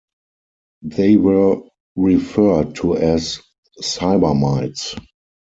They were referred to as cybermites.